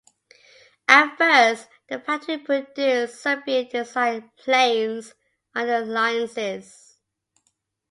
At first, the factory produced Soviet-designed planes under license.